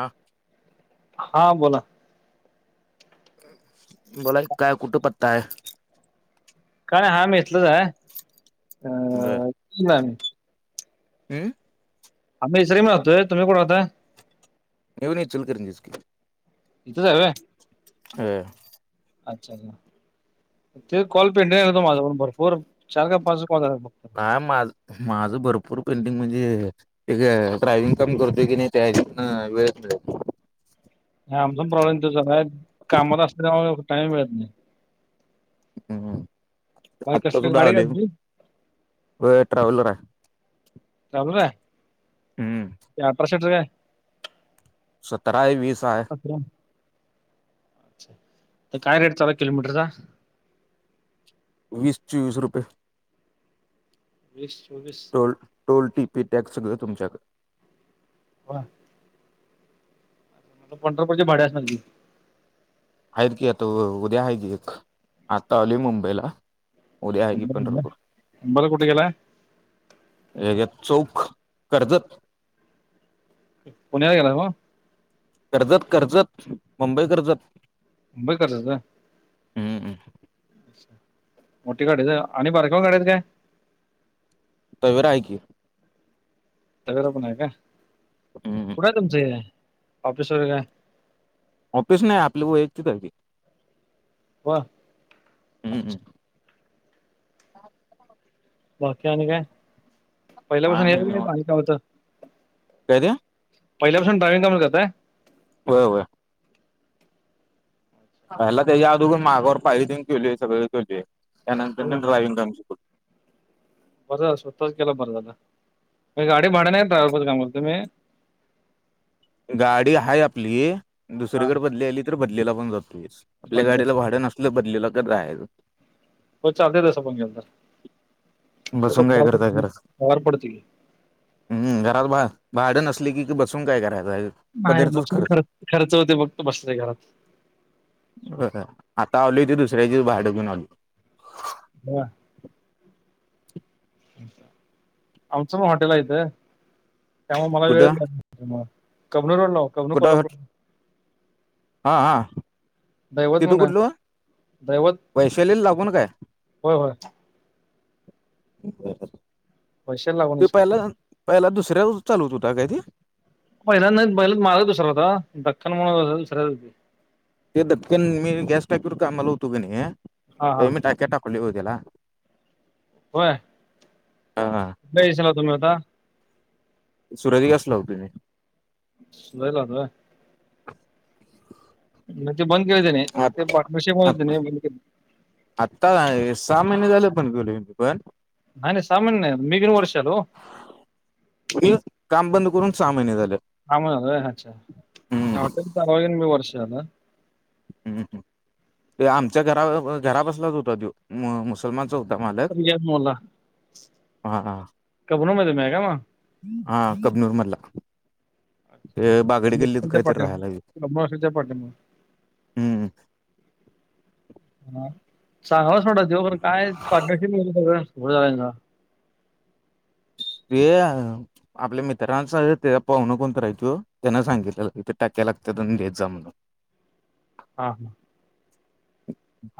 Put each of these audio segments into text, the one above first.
आं हां बोला. बोलाय काय कुठं पत्ता आहे? काय रे हा मेतलच आहे हा. बरं. [unintelligible] उम्म. आम्ही इसरीम राहतोय तुम्ही कुडं राहताय? घेऊन येतील करंजीस की. इथचं हाय वय? वेय अच्छा. [unintelligible] ते कॉल पेंडिग होतो माझा पण भरपूर चार का पाच कॉल झाला फक्त. हा माझ माझं भरपूर पेंडिंग म्हणजे इथे ड्रायविंग काम करतोय की नाही त्या [unintelligible] वेळेत मिळेल. हे आमजून प्रॉब्लेम [unintelligible] कामात असल्यामुळे टाईम मिळत नाही. हम्म बाई आत्ता कसली सुद्धा गाडी का आलोय तुझी वय ट्रॅव्हलर आहे. ट्रॅव्हलर आहे हम्म ते आप्रा शटर काय सतरा आहे वीस आहे. सतरा तर काय रेट चालू आहे किलोमीटरचा? वीस चोवीस रुपये. वीस चोवीस toll toll T P tax सगळं तुमच्याक वा ते पंढरपूरची भाडे असणार ती. आहेत की आता उद्या आहे की एक आत्ता आली मुंबईला. उद्या आहे की मुंबई पंढरपूर. मुंबईला कुठे गेलाय हेज्यात चौखं कर्जत. पुण्याला गेला का हो? कर्जत कर्जत मुंबई कर्जत. मुंबई करजा हम्म मोठी गाडीचा आणि बारक्वा गाड्याचा काय? तवीरा आहे की. तवीरा पण आहे का हम्म कुठं आहे तुमचं ऑफिस वगैरे काय? ऑफिस नाही आपली वैयक्तिक आहे ती. वा हम्म अच्छा बाकी आणि काय हा नाही पहिल्यापासून [unintelligible] निवांत पाणी का होतं? काय द्या पहिल्यापासून ड्रायव्हिंग कामं करताय? वय वय. पहिला त्याच्या आदोगर मागावर पाळी तेन केलोय सगळं केलते त्यानंतर हो. मी ड्रायव्हिंग काम शिकलो. बरं स्वतःच केला बरं झालं, म्हणजे गाडी भाड्या हाय कुठे काम करता तुम्ही. गाडी आहे आपली हा दुसरीकडे बदली आली तर बदलेला पण जातोय आपल्या मधलं गाडीला भाडं नसतो. बदलीला पण जायचं. हो चालतय तसं पण बसून काय पगार पडतोय की पडतोय. हम् घरात भा- भाडं नसले की बसून काय करायचे. नाही बसून खर्च खर्च होते बघत बस घरात. खरं आत्ता आलोय ते दुसऱ्याचा भाड घेऊन आलोय. हा! आमचं मग हॉटेल इथं त्यामुळे मला वेळ कुठं ला कबनूर ला कबनूर कुठं कोल्हापूर. हा हा! दैवत तिथु म्हणून आहे कुठल दैवत वैशालीला लागून काय? होय होय पैशाला ते लागूनच की पहिला. पहिला दुसऱ्या चालूत होता काय ते? पहिला नाही पहिला मालक दुसरा होता दख्खन वाल्याचा दुसरा होता. दख्खन मी गॅस टाकीवर कामाला होतो का नाही हा हा त्यावेळेस टाक्या टाकले ओ त्याला. होय. हा हा! [unintelligible] तुम्ही आता सुरज गॅस ला होतो. लय लांब. [inaudible] ते बंद केलं त्याने ते आत- पार्टनरशिप मध्ये होतं का आत- नाही ते बंद केलं. आत्ता सहा महिने झाल बंद मी पण. नाही नाही सहा महिने नाही मी वर्षात ओ. काम बंद करून सहा महिने झाल. आम अच्छाटेल आगन मी वर्ष आला. हम्म! ते आमच्या घरा- घरा, पसलाच होता तो. म मुसलमानचा होता मालक. [inaudible] हा हा कबनूर मध्ये मी हाय क्या मग. हा कबनूर मधला ते बागडी गिल्लीत कबनूरच्या काहीतरी पाठीमागे राहायलाल. [unintelligible] हा सांगणार. काय पार्टनरशिप सगळं खर झालाय सगळा. ते. आपल्या मित्रांचा त्या पाहुण कोण आहे तो त्यांना सांगितलयाला टक्क्या लागतात आणि घेत जा म्हणून. हा!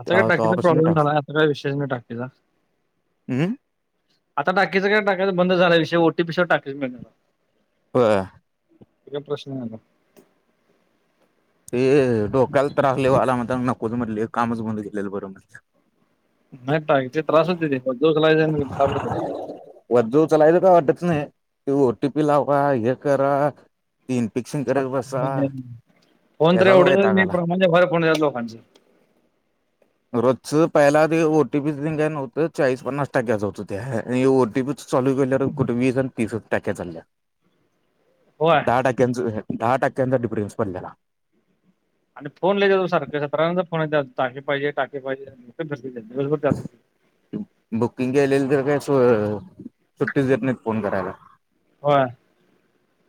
आता काय तेव्हा टाकीचा तवापासून प्रॉब्लेम टाक झाला आता काही विशेष नाही टाकीचा. हम्म आता टाकीचंय टाकायं बंद झाल्या विषय ओ टी पी शिवाय टाकी मिळणं झाल्या‌. होय. ते काय प्रश्न नाही आता. ते डोक्याला त्रास लय व्हालय म्हणताना नकोच म्हटले कामच बंद गेलेलं बरं म्हटल. नाही टा ते त्रास होते ते ओझ उचलायचं आणि ताप होतोय. ओझ उचलायचं काय वाटत नाही ते ओटी पी लावा ते हे करा. ती इन्पिक्शन करत बसा, फोन तर त्याचाच एवढे वैताग नाही आला. प्रमाणाच्या बाहेर फोन येतात लोकांचे रोजच पहिला गं ओ टी पी काय नव्हतं, चाळीस पन्नास टक्याच होत, त्या ये ओ टी पी चं चालू केल्यावर, कुठे वीस आणि तीसच टाक्या चाल्या, होय दहा टाक्क्याचं, दहा टाक्क्यान साठी प्रिन्स पडलेला. आणि फोन लई [unintelligible] सारख्या सतारां जणाचा फोन टाकी पाहिजे, टाकी पाहिजे दिवसभर त्यातच बुकिंग केलेली तर काय स-सुट्टीच देत नाहीत, फोन करायला. होय.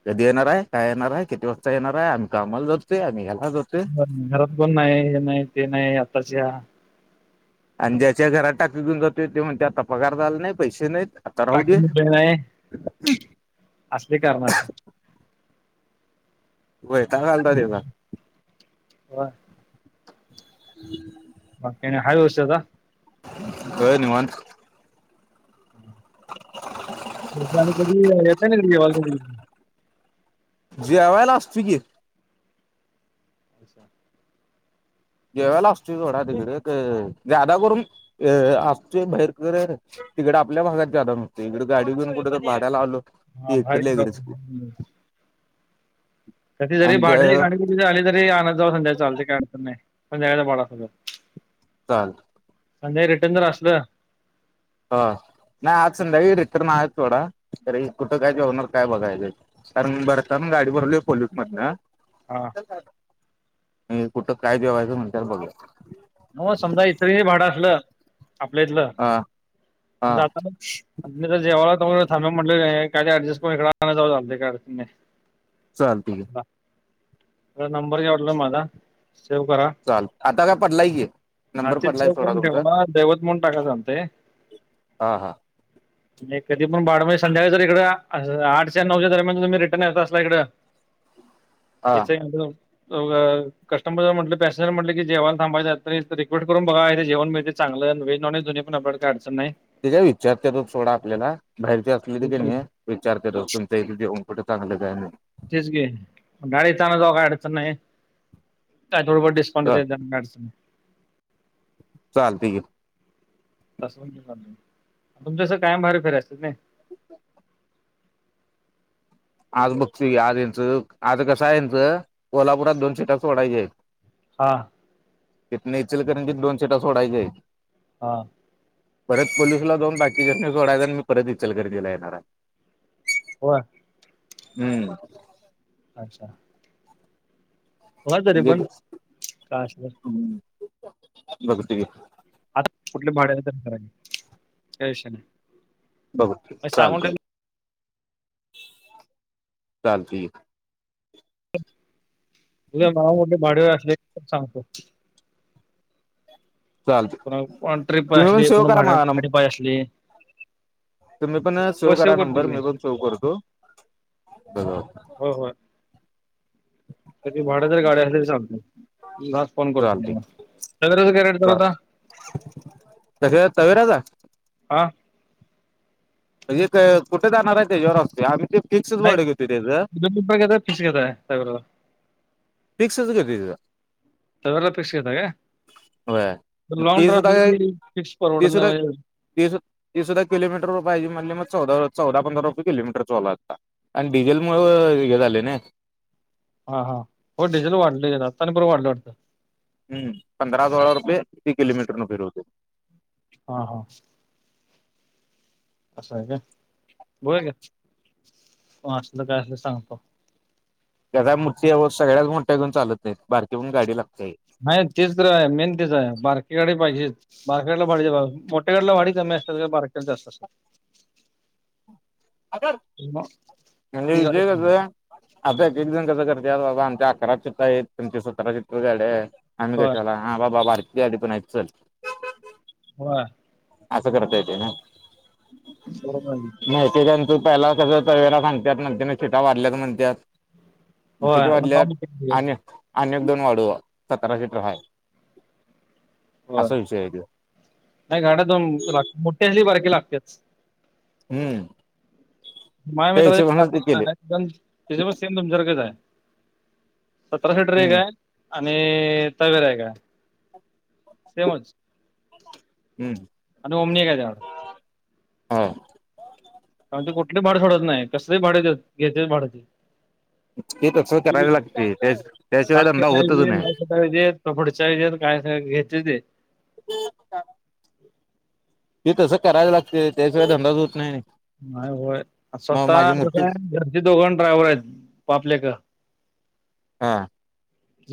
कधी येणाराय? काय येणाराय? किती वाजता येणाराय? आम्ही कामाला जातोय, आम्ही ह्याला जात घरात कोण नाही, हे नाही, ते नाही, आत्ताच्या. आणि ज्याच्या घरात टाकी घेऊन जातोय, त्यो म्हणतो आता पगार झाला नही, पैसे नाहीत. आता राह दे. टाकी मुद्दे नाही असले कारण असत्यात. वैताग आलता त्याचा होय? [inaudible] बाकी काय नई हाय व्यवस्थीत आता? होय निवांत. [unintelligible] ऑलरेडी. जेवायला असतो की. अच्छा. जेवायला असतोय थोडा तिकडं, गं जादा करून अ असतोय बाहेर खर तिकड आपल्या भागात जादा नसतोय, इकड गाडी घेऊन कुठे तर भाड्याला आलो. हा ते भारी इकडल्या ईकडच की कधी जरी ते भाड्याला कुठली तरी गाडी आली तरी आणतं जावा, संध्याकाळी चालत काय अडचण नाही संध्याकाळच भाडं असलं तर. ता. आणि जर रिटर्न असलं ह नाही आज संध्याकाळी रिटर्न आहे थोडा, तरी कुठं काय जेवणार काय बघायचे कारण भरताना गाडी भरलोय पोल्यूक मधन. हा [unintelligible] कुठ काय जेवायचं म्हणत्यात बघू? न्हव समजा इचलकरंजी भाडं असलं, आपल्या हितल, हा हा जाताना [unintelligible] चालतय की. त नंबर घ्या वाटल् माझा, सेव्ह करा. चाल, आता का पडलाय ये आ ते शेव करून ठेव ना, दैवत म्हणून टाकाय सांगते. हा हा नाही कधी पण बाडज संध्याकाळी जर इकडं, आठच्या नऊच्या दरम्यान तुम्ही रिटर्न येत असला इकडं हा [unintelligible] कस्टमर म्हटलं पॅसेंजर म्हटल कि जेवाल थांबाईच असतं, रिक्वेट करून बघा इेथे जेवण मिळत चांगलं, वेज नॉनव्हेज दोन्ही पण आपल्याला काई अडचण नाही. ते काय विचारते मंग सोडा आपल्याला, बाहेरचे असले तख तेच की म विचार कर तुमच्या इथ जेऊन कुठं चांगलं काय नाही? तेच गे गाडीतना जाऊ काय अडचण नही. का थोडफार डिस्काउंट चल देत्यात [unintelligible] चालतं की. तसं तुमच्यास कायम बाहेर फिरायच का नाही? [inaudible] आज बघ तु की, आज यांचं आज कसं हाय यांचं, कोल्हापुरात दोन सोडायची ये. हां इतन इचलकरंजीत दोन सीटा सोडायचे आहेत. हा परत पलूसला जाऊन बाकीच्यास सोडायचं आणि मी परत इचलकरंजीला येणार आहे. होय हम्म अच्छा बघा तरी ह पण काय असेल बघते [inaudible] आता कुठल्या भाड्यालारा त्या विषय नाही [inaudible] बघू मग सांगून ठेव चालतेय चालतेय उद्या माव मोठे भाडेवे असले सांगतो [unintelligible] चालतंय को ट्र्रीप पा तुम्ही पण असली सेव्ह को करा भाड्या माझा नंब भाडी पाय असली [unintelligible] तुम्ही पण हो सेव्ह करा करतो नंबर की मी पण सेव्ह करतो बरं होय होय तर त भाड्या तर गाडी्या अस तरी सांगत [unintelligible] फोन कर चालते तला सग रज कायड चाल होता तस तवेराचा [unintelligible] हां म्हणजे कुठे जाणार आहे त्याच्यावर असते आम्ही ते फिक्स नाही भाड्या घेतोय त्याचा दोन रुपये घेताय फिक्स घेताय सगळ्याला फिक्स क [unintelligible] तवेला फिक्स घेता का होय मग लॉंग ती ड्राईव्ह असलं फिक्स परवड नाही. तीस तीसा कलोमीटर [unintelligible] पाहिजे म्हणले मग चौदा चौदा पंधरा रुपये किलोमीटर चालू आहे आता आणि डिझेल मुळ हे झाले ना हा हा हो डिझेल वाढले आता आणि परत वाढलं वाटतं. हम्म पंधरा सोळा रुपये कि किलमीटर फिरतो. हा हा असं आहे का होय का असलं काय असलं तर सांगतो. त्याचा मूततीव सगळ्या मोठ्या घऊन लत बारकीहन गाडी लागते [unintelligible] नाही तेच र आहे मेन तेच आहे बारकी गाडी पाहिजेच. बारक्या गाडीला मोठ्या गाडीला भाडी कमी असतात बारक्याला जास्त असतात? मग म्हणजे ती गाडी विजय कसं पाहिजे. आहे? अता एक एकजण कसं करते बाबा आमच्या अकरा चित््र आहेत तुमचे सतरा चित्र झाडे आहे [unintelligible] आम्ही होय कशाला हा बाबा बारकी गाडी पण आहे चल. होय. असं करता येते ना? हो [unintelligible] माहिती त्यां तू पहिला सगळं तवेरा सांगतात नतर ना सिटा वाढल्यात म्हणतात. होय किती मग का वाढल्यात मोठी गाडी घ्यायची. आणि आणि एक दोन वाढू सतरा सिटर हाय होय असा विषय आहे ते. नाही गाड्या दोन लाग मोठ्या असली बारकी लागतेच. हम्म हय त्या थ हिशोबानच ते केले आहे [unintelligible] त्याच्या पण सेम तुमच्याारखच आहे सतरा सिटर एक हम्म आहे. आणि टेवेरा एक आहे सेमच. हम्म आणि ओमनीय कशाला. ''हां'' अरे ते कुठली भाड सोडत नाही कस भा्याेत घेतेय भाडत. ते तस करायला लागते त्या त्याशिवाय अंदा होतच नाही. आम्ही देत पुढच्या [unintelligible] वेत काय घेतच ते तसं करायला लागते त्याशिवाय धंदा होत नाही आणि. नाही होय स्वतः का घरचे दोघण ड्रायव्हर आहेत बापलेक. ह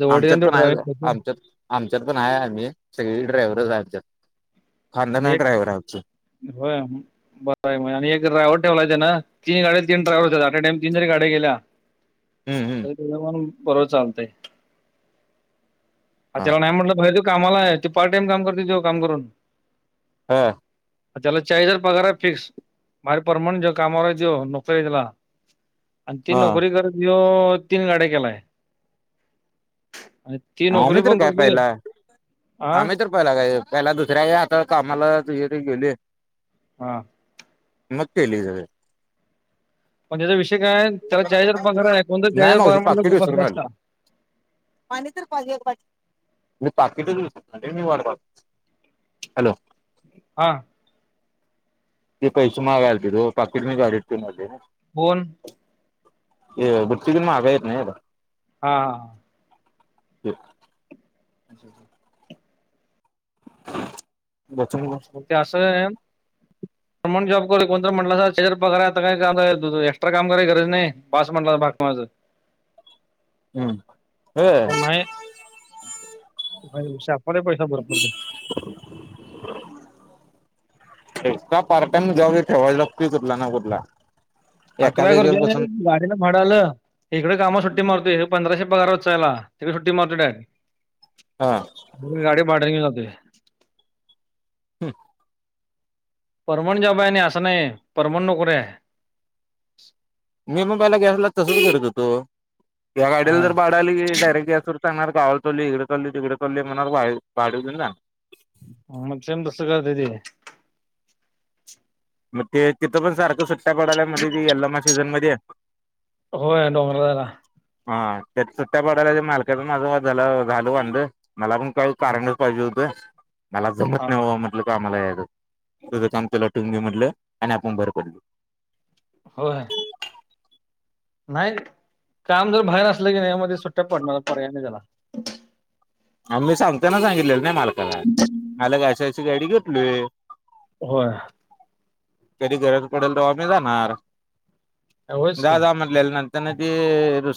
वडील आमच्यात तो हाईत ड्रायव्हिंग करतो आमच्यात. आमच्यात पण आहे आम्ही सगळी ड्रायव्हर आहे. आमच्यात आणि खांदाणार ड्राय्हर आहे आमची. होय. बरंय आणि एक ड्राय्हवर ठेवायच तेन तीन गड्या ती ड्रायव्हर ठेवलाय एका टायमाला तीन जरी गाड्या गेल्या. [inaudible] हम्म हम्म. बरो चालतय अ हा त्याला नाही म्हटलं पाहि''--'' कामाला आहे त ते पार्ट टाइम काम करते जो काम करून. हा, त्याला चाळीजर पगारा फिक्स माे परमनंटे कामावर दे नोकरी त्याला. आणि ती हा नोकरी करत घे तीन गाड्या केलाय हाईत. आम्ही तर काय पहिला हा आम्ही तर. पहिला काय पहिला दुसऱ्या आता कामाला हे ते गेलेय. हा, मग केले सगळं. पण त्याचा विषय काय त्याला जयजर पघार आहे कोण नाही ज्याजर मावशी पार म्हण पाकिट खूप विसरून असला आली असता. पाणी तर. मी पाकिटऊ शी वाढ हॅलो. हा, ते पैसे माग्या आलती वो पाकेट मी घरीच ठेवून आलोय ना. कोण. हे बुद्धी घेऊन महागाई येत नाहीत. हा हा, तेच. अच्छा अच्छा. बचन गास. मग ते असं आहे. जॉब कर कोणत म्हटला त्याच्यार [unintelligible] पगार आता काय का एक्स्ट्रा काम कराय गरज नाही बस म्हटला माझं हम्म कोण होय नाही. भाई शापाने पैसा भरपूर केलाय. एक्ट्रा पार्का जॉब ठेवायचं लागतोय कुठला ना कुठला. आ तु एकाच काय कर [unintelligible] याच्यावर एक बसून अंड भाडं आलं इकडे काम सुट्टी मारतोय हे पंधराशे पगार वाचायला तिकडे सुट्टी मारतो डायरेक्ट. [inaudible] हा, गाडी भांड घेऊन जातोय. हम. पर्मनंट जॉब आहे आणि असं नाही पर्मनंट नोकरी आहे. मी मग पहिला गॅसला तसच करत होतो या गाडीला हा जर भाडं आली की डायरेक्ट गॅसवर सांणार गावाला चालोय इकडे चालोय तिकडे चलोय म्हणार वाय भाड घिऊन ना. मग सेम तसंच करताते. मग ते तिथं पण सारखं सुट्ट्या पडवल्या मध्ये त यल्मा सीझनमध्येध्ये. हो डोंग [inaudible] हा त्या सुट्ट्या पाडायल्या. मालकाच माझं माझं झालं झालं वांध. मला पण काही कारण पाहिजे होतं मला जमत नाही वा म्हटलं कामाला येयला. तुझं काम तुला ठेवून घे म्हटलं आणि आपण बाहेर पडल. होय. नाही काम जर बाहेर असलं की नाही यामध्ये सुट्ट्या पडणार पर्याय नाही त्याला. आम्ही सांगताना सांगितलेलं ना मालकाला मला अशी-अशी गाडी घेतलय. होय. कधी गरज पडेल तेव्हा आम्ही जाणार होयच जा की जा म्ह नंतर ते रु